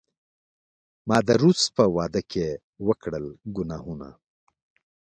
ما د روس په واډکې وکړل ګناهونه